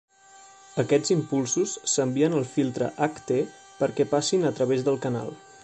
Aquests impulsos s'envien al filtre ht perquè passin a travès del canal.